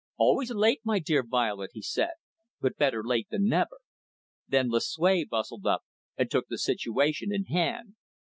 "Always late, my dear Violet," he said, "but better late than never." Then Lucue bustled up, and took the situation in hand.